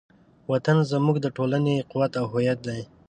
وطن زموږ د ټولنې قوت او هویت دی.